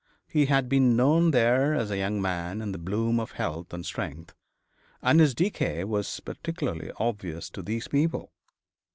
He had been known there as a young man in the bloom of health and strength, and his decay was particularly obvious to these people.